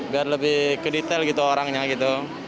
biar lebih ke detail gitu orangnya gitu